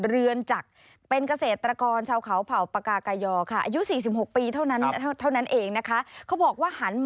รื่นจากเป็นเกษตรกรรดิ์ชาวเขาเผ่าประกากายอ